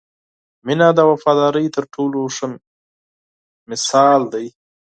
• مینه د وفادارۍ تر ټولو ښه مثال دی.